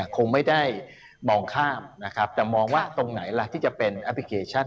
คงไม่ได้มองข้ามนะครับแต่มองว่าตรงไหนล่ะที่จะเป็นแอปพลิเคชัน